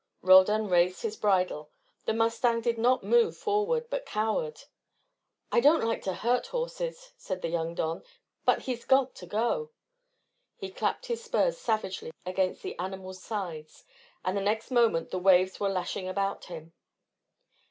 Roldan raised his bridle. The mustang did not move forward, but cowered. "I don't like to hurt horses," said the young don, "but he's got to go." He clapped his spurs savagely against the animal's sides, and the next moment the waves were lashing about him.